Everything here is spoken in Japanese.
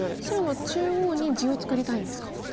白は中央に地を作りたいんですか。